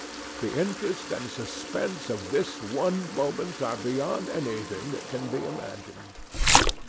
The interest and suspense of this one moment are beyond anything that can be imagined.